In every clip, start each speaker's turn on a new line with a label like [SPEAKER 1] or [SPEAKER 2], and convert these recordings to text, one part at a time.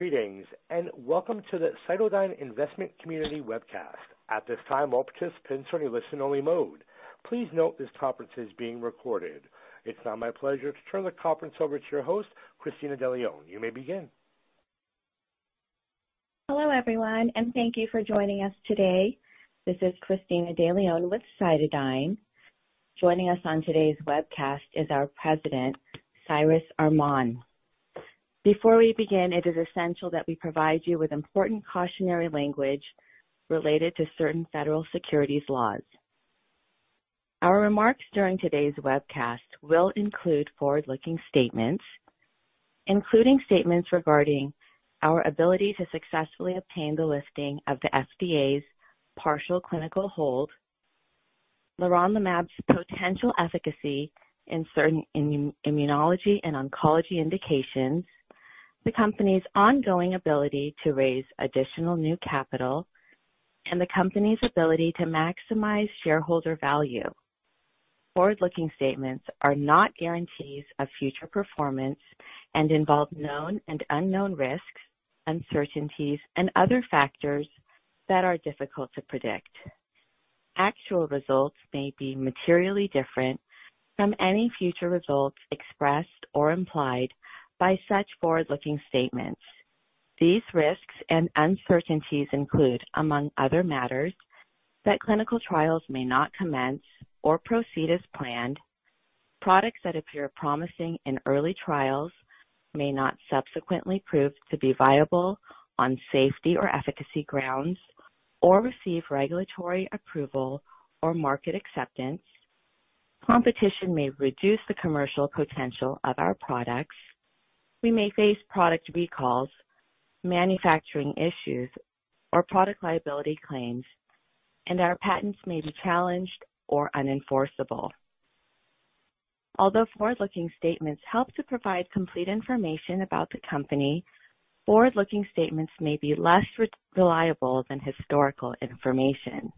[SPEAKER 1] Greetings, and welcome to the CytoDyn Investment Community Webcast. At this time, all participants are in listen only mode. Please note this conference is being recorded. It's now my pleasure to turn the conference over to your host, Cristina De Leon. You may begin.
[SPEAKER 2] Hello, everyone, and thank you for joining us today. This is Cristina De Leon with CytoDyn. Joining us on today's webcast is our president, Cyrus Arman. Before we begin, it is essential that we provide you with important cautionary language related to certain federal securities laws. Our remarks during today's webcast will include forward-looking statements, including statements regarding our ability to successfully obtain the lifting of the FDA's partial clinical hold, leronlimab's potential efficacy in certain immunology and oncology indications, the company's ongoing ability to raise additional new capital, and the company's ability to maximize shareholder value. Forward-looking statements are not guarantees of future performance and involve known and unknown risks, uncertainties, and other factors that are difficult to predict. Actual results may be materially different from any future results expressed or implied by such forward-looking statements. These risks and uncertainties include, among other matters, that clinical trials may not commence or proceed as planned. Products that appear promising in early trials may not subsequently prove to be viable on safety or efficacy grounds or receive regulatory approval or market acceptance. Competition may reduce the commercial potential of our products. We may face product recalls, manufacturing issues, or product liability claims, and our patents may be challenged or unenforceable. Although forward-looking statements help to provide complete information about the company, forward-looking statements may be less reliable than historical information.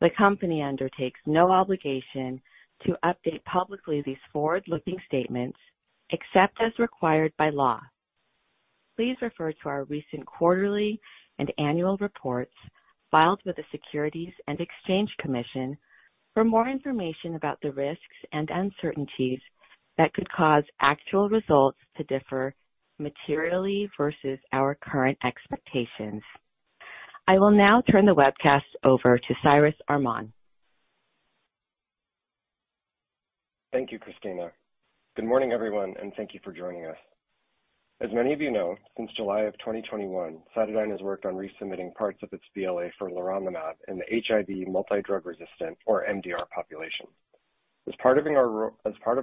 [SPEAKER 2] The company undertakes no obligation to update publicly these forward-looking statements except as required by law. Please refer to our recent quarterly and annual reports filed with the Securities and Exchange Commission for more information about the risks and uncertainties that could cause actual results to differ materially versus our current expectations. I will now turn the webcast over to Cyrus Arman.
[SPEAKER 3] Thank you, Cristina. Good morning, everyone, and thank you for joining us. As many of you know, since July of 2021, CytoDyn has worked on resubmitting parts of its BLA for leronlimab in the HIV multidrug-resistant, or MDR population. As part of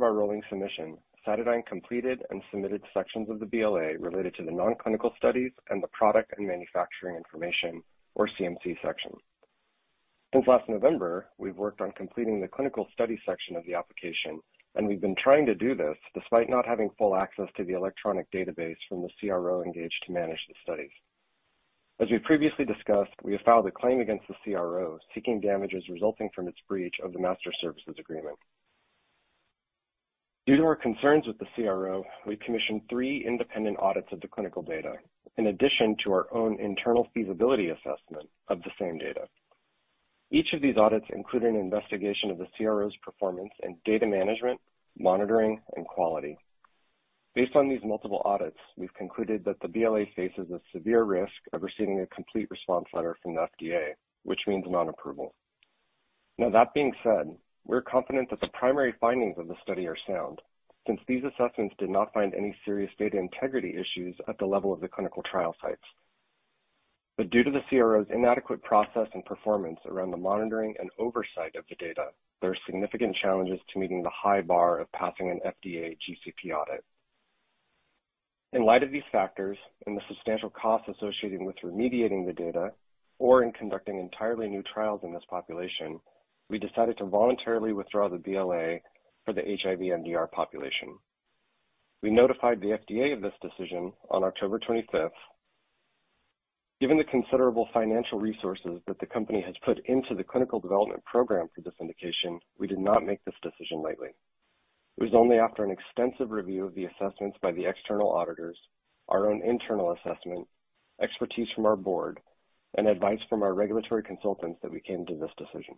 [SPEAKER 3] our rolling submission, CytoDyn completed and submitted sections of the BLA related to the non-clinical studies and the product and manufacturing information, or CMC section. Since last November, we've worked on completing the clinical study section of the application, and we've been trying to do this despite not having full access to the electronic database from the CRO engaged to manage the studies. As we previously discussed, we have filed a claim against the CRO, seeking damages resulting from its breach of the master services agreement. Due to our concerns with the CRO, we commissioned three independent audits of the clinical data in addition to our own internal feasibility assessment of the same data. Each of these audits included an investigation of the CRO's performance in data management, monitoring, and quality. Based on these multiple audits, we've concluded that the BLA faces a severe risk of receiving a complete response letter from the FDA, which means non-approval. Now, that being said, we're confident that the primary findings of the study are sound, since these assessments did not find any serious data integrity issues at the level of the clinical trial sites. Due to the CRO's inadequate process and performance around the monitoring and oversight of the data, there are significant challenges to meeting the high bar of passing an FDA GCP audit. In light of these factors and the substantial costs associated with remediating the data or in conducting entirely new trials in this population, we decided to voluntarily withdraw the BLA for the HIV MDR population. We notified the FDA of this decision on October 25th. Given the considerable financial resources that the company has put into the clinical development program for this indication, we did not make this decision lightly. It was only after an extensive review of the assessments by the external auditors, our own internal assessment, expertise from our board, and advice from our regulatory consultants that we came to this decision.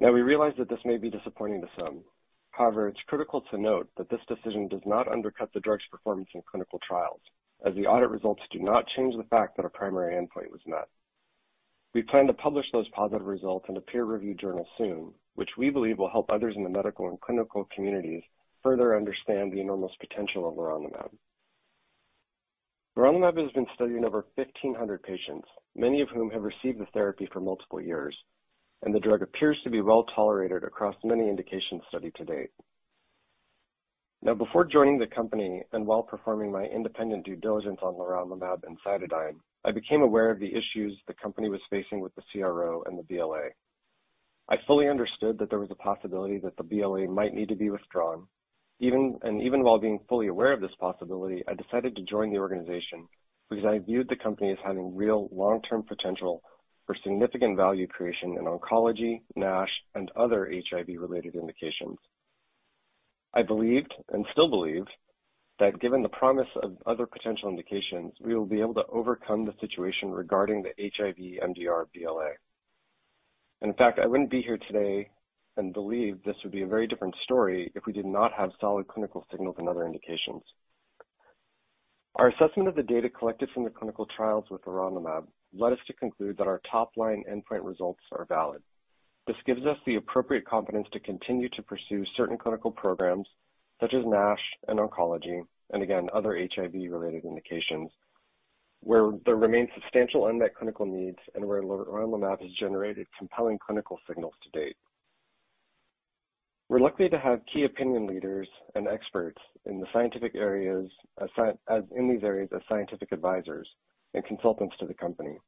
[SPEAKER 3] Now, we realize that this may be disappointing to some. However, it's critical to note that this decision does not undercut the drug's performance in clinical trials, as the audit results do not change the fact that our primary endpoint was met. We plan to publish those positive results in a peer review journal soon, which we believe will help others in the medical and clinical communities further understand the enormous potential of leronlimab. Leronlimab has been studied in over 1,500 patients, many of whom have received the therapy for multiple years, and the drug appears to be well tolerated across many indications studied to date. Now, before joining the company and while performing my independent due diligence on leronlimab and CytoDyn, I became aware of the issues the company was facing with the CRO and the BLA. I fully understood that there was a possibility that the BLA might need to be withdrawn. Even while being fully aware of this possibility, I decided to join the organization because I viewed the company as having real long-term potential. For significant value creation in oncology, NASH, and other HIV-related indications. I believed and still believe that given the promise of other potential indications, we will be able to overcome the situation regarding the HIV MDR BLA. In fact, I wouldn't be here today and believe this would be a very different story if we did not have solid clinical signals in other indications. Our assessment of the data collected from the clinical trials with leronlimab led us to conclude that our top-line endpoint results are valid. This gives us the appropriate confidence to continue to pursue certain clinical programs such as NASH and oncology, and again, other HIV-related indications, where there remains substantial unmet clinical needs and where leronlimab has generated compelling clinical signals to date. We're lucky to have key opinion leaders and experts in the scientific areas, in these areas as scientific advisors and consultants to the company.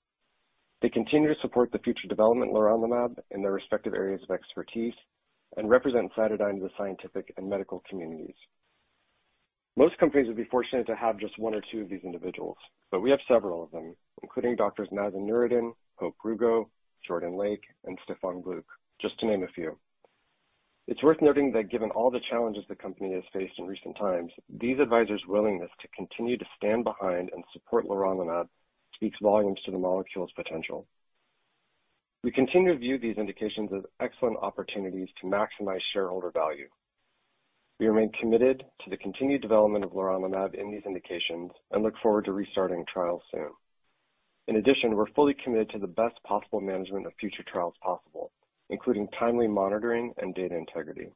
[SPEAKER 3] They continue to support the future development of leronlimab in their respective areas of expertise and represent CytoDyn to the scientific and medical communities. Most companies would be fortunate to have just one or two of these individuals, but we have several of them, including doctors Mazen Noureddin, Hope Rugo, Jordan Lake, and Stefan Gluck, just to name a few. It's worth noting that given all the challenges the company has faced in recent times, these advisors' willingness to continue to stand behind and support leronlimab speaks volumes to the molecule's potential. We continue to view these indications as excellent opportunities to maximize shareholder value. We remain committed to the continued development of leronlimab in these indications and look forward to restarting trials soon. In addition, we're fully committed to the best possible management of future trials possible, including timely monitoring and data integrity.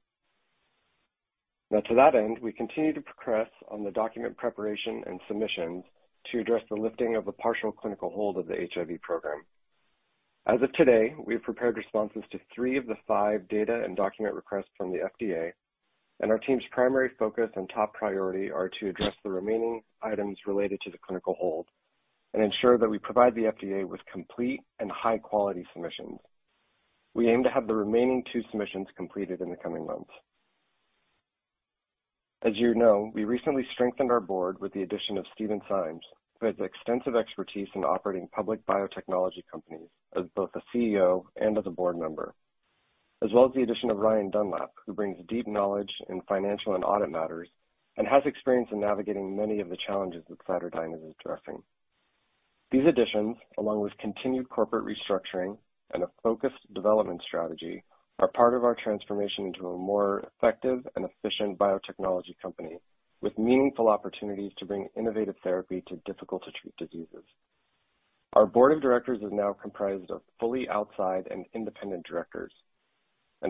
[SPEAKER 3] Now, to that end, we continue to progress on the document preparation and submissions to address the lifting of the partial clinical hold of the HIV program. As of today, we have prepared responses to three of the five data and document requests from the FDA, and our team's primary focus and top priority are to address the remaining items related to the clinical hold and ensure that we provide the FDA with complete and high-quality submissions. We aim to have the remaining two submissions completed in the coming months. As you know, we recently strengthened our board with the addition of Stephen M. Simes, who has extensive expertise in operating public biotechnology companies as both a CEO and as a board member, as well as the addition of Ryan Dunlap, who brings deep knowledge in financial and audit matters and has experience in navigating many of the challenges that CytoDyn is addressing. These additions, along with continued corporate restructuring and a focused development strategy, are part of our transformation into a more effective and efficient biotechnology company with meaningful opportunities to bring innovative therapy to difficult-to-treat diseases. Our board of directors is now comprised of fully outside and independent directors.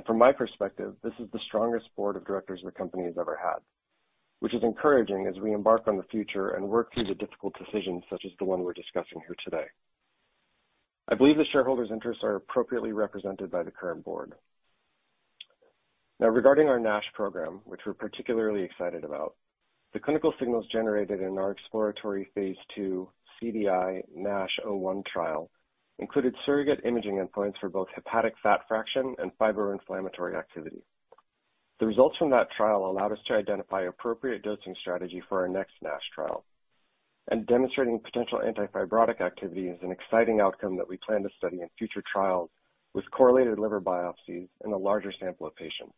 [SPEAKER 3] From my perspective, this is the strongest board of directors the company has ever had, which is encouraging as we embark on the future and work through the difficult decisions such as the one we're discussing here today. I believe the shareholders' interests are appropriately represented by the current board. Now, regarding our NASH program, which we're particularly excited about, the clinical signals generated in our exploratory phase 2 CD10 NASH 01 trial included surrogate imaging endpoints for both hepatic fat fraction and fibrovascular inflammatory activity. The results from that trial allowed us to identify appropriate dosing strategy for our next NASH trial. Demonstrating potential anti-fibrotic activity is an exciting outcome that we plan to study in future trials with correlated liver biopsies in a larger sample of patients.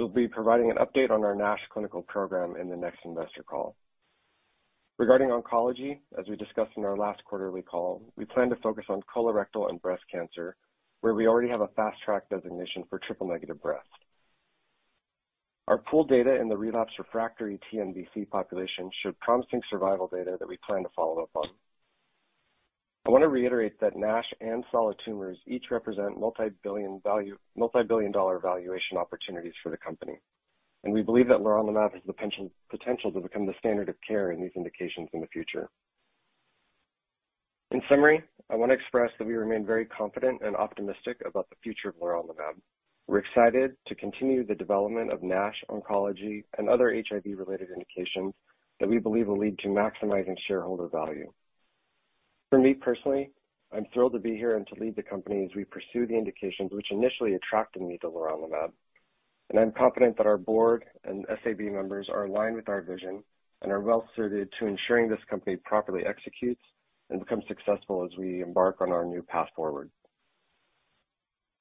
[SPEAKER 3] We'll be providing an update on our NASH clinical program in the next investor call. Regarding oncology, as we discussed in our last quarterly call, we plan to focus on colorectal and breast cancer, where we already have a Fast Track designation for triple-negative breast cancer. Our pooled data in the relapsed refractory TNBC population showed promising survival data that we plan to follow up on. I wanna reiterate that NASH and solid tumors each represent multibillion-dollar valuation opportunities for the company. We believe that leronlimab has the potential to become the standard of care in these indications in the future. In summary, I wanna express that we remain very confident and optimistic about the future of leronlimab. We're excited to continue the development of NASH, oncology, and other HIV-related indications that we believe will lead to maximizing shareholder value. For me personally, I'm thrilled to be here and to lead the company as we pursue the indications which initially attracted me to leronlimab, and I'm confident that our board and SAB members are aligned with our vision and are well-suited to ensuring this company properly executes and becomes successful as we embark on our new path forward.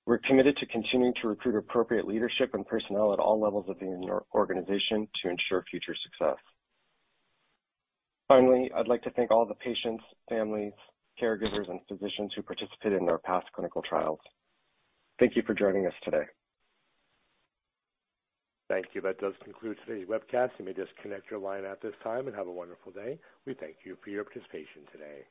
[SPEAKER 3] We're committed to continuing to recruit appropriate leadership and personnel at all levels of the organization to ensure future success. Finally, I'd like to thank all the patients, families, caregivers, and physicians who participated in our past clinical trials. Thank you for joining us today.
[SPEAKER 1] Thank you. That does conclude today's webcast. You may disconnect your line at this time and have a wonderful day. We thank you for your participation today.